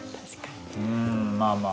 うんまあまあ。